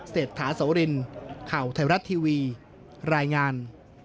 เศรษฐาโสรินข่าวไทยรัฐทีวีรายงาน